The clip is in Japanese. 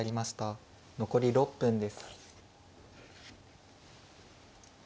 残り６分です。